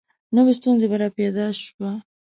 نوي ستونزه به را پیدا شوه.